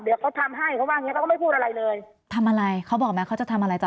เดี๋ยวเขาทำให้เขาว่าอย่างเงี้เขาก็ไม่พูดอะไรเลยทำอะไรเขาบอกไหมเขาจะทำอะไรจ้